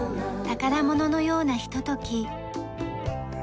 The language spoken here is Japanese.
宝物のようなひととき。